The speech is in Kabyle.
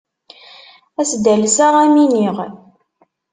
Ad s-d-alseɣ, ad am-iniɣ.